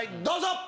どうぞ！